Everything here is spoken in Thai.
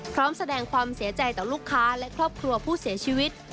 พร้อมแสดงความเสียใจต่อลูกค้าและครอบครัวผู้เสียชีวิต